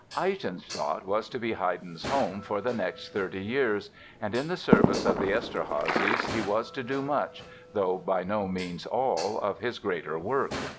Eisenstadt was to be Haydn's home for the next thirty years, and in the service of the Eszterházys he was to do much—though by no means all—of his greater work.